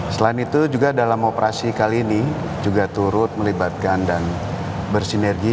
selain itu juga dalam operasi kali ini juga turut melibatkan dan bersinergi